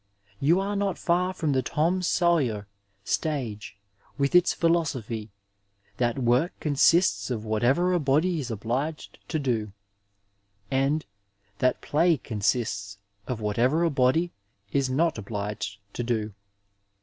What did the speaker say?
You are not far from iAie Tom Sawyer stage with its philosophy '^ that work consists of whatever a body is obliged to do," and that play con sists of whatever a body is not obliged to do."